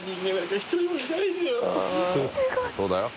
そうだよ。